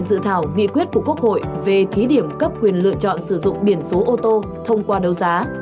dự thảo nghị quyết của quốc hội về thí điểm cấp quyền lựa chọn sử dụng biển số ô tô thông qua đấu giá